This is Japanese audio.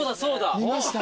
見ました。